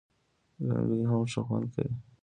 لنګۍ هم ښه خوند کوي